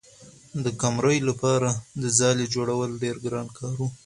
د قمرۍ لپاره د ځالۍ جوړول ډېر ګران کار و.